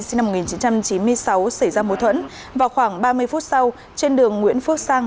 sinh năm một nghìn chín trăm chín mươi sáu xảy ra mối thuẫn vào khoảng ba mươi phút sau trên đường nguyễn phước sang